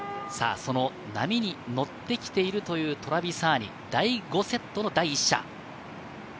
その波に乗ってきているというトラビサーニ、第５セットの第１射。